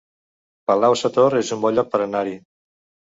Palau-sator es un bon lloc per anar-hi